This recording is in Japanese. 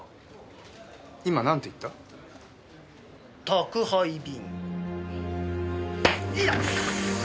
宅配便。